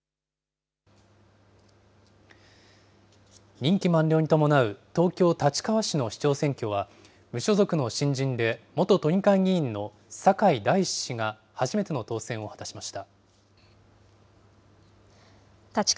任期満了に伴う東京・立川市の市長選挙は無所属の新人で元都議会議員の酒井大史氏が初めての当選を果たしました。